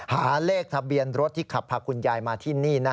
หาเลขทะเบียนรถที่ขับพาคุณยายมาที่นี่นะ